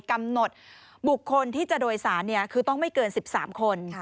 กำหนดบุคคลที่จะโดยสารคือต้องไม่เกิน๑๓คน